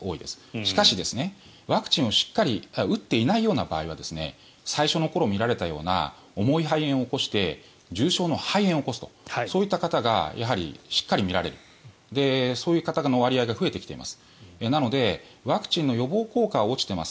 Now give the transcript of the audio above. しかし、ワクチンを打っていないような場合は最初の頃見られたような重い肺炎を起こして重症の肺炎を起こすとそういった方がしっかり見られるそういう方の割合が増えてきています。